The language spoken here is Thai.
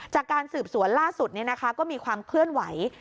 จากการสืบสวนล่าสุดก็มีความเคลื่อนไหว